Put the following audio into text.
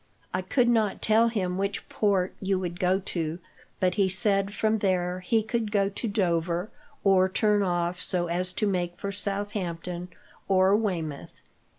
I could not tell him which port you would go to, but he said from there he could go to Dover, or turn off so as to make for Southampton or Weymouth.